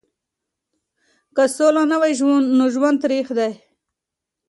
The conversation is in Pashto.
که سوله نه وي نو ژوند تریخ دی.